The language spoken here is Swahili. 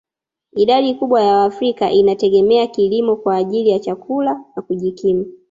Idadi kubwa ya waafrika inategemea kilimo kwa ajili ya chakula na kujikimu